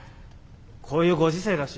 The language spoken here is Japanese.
こういうご時世だし。